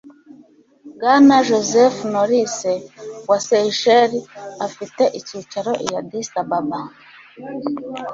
bwana joseph nourice, wa seychelles, afite icyicaro i addis ababa